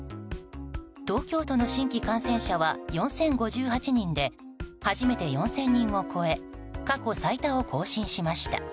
東京都の新規感染者は４０５８人で初めて４０００人を超え過去最多を更新しました。